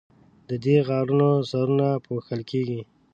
د دې غارونو سرونه پوښل کیږي.